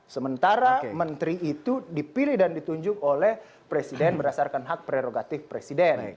sementara menteri itu dipilih dan ditunjuk oleh presiden berdasarkan hak prerogatif presiden